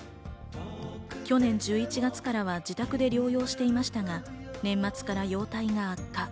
去年１１月からは自宅で療養していましたが、年末から容体が悪化。